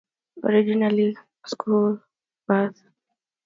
He is originally from Somerset, where he attended King Edward's School, Bath.